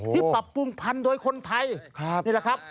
ปรับปรุงพันธุ์โดยคนไทยนี่แหละครับ